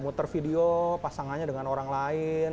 muter video pasangannya dengan orang lain